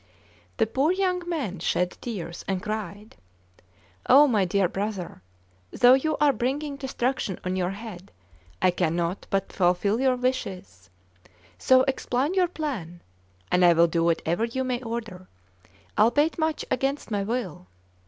The poor young man shed tears, and cried: "Oh, my dear brother, though you are bringing destruction on your head, I cannot but fulfil your wishes; so explain your plan, and I will do whatever you may order, albeit much against my will."